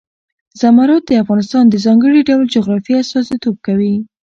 زمرد د افغانستان د ځانګړي ډول جغرافیه استازیتوب کوي.